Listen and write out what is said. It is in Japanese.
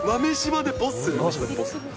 豆柴でボス。